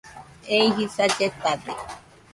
Ei jisa lletade.